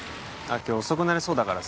今日遅くなりそうだからさ